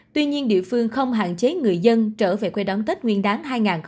tuy nhiên địa phương không hạn chế người dân trở về quê đón tết nguyên đáng hai nghìn hai mươi bốn